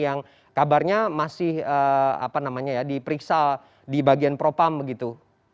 yang kabarnya masih apa namanya ya diperiksa di bagian propam gitu